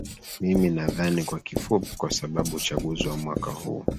mimi nadhani kwa kifupi kwa sababu uchaguzi wa mwaka huu